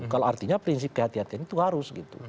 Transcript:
kalau artinya prinsip kehati hati itu harus